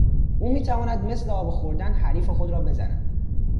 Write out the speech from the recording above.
او میتواند مثل آب خوردن حریف خود را بزند.